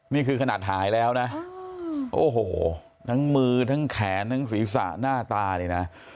นี่คือขนาดหายแล้วนะโอ้โหทั้งมือทั้งแขนทั้งศีรษะหน้าตาเนี่ยนะ